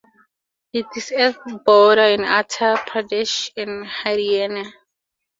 It is at Border of Uttar Pradesh and Haryana.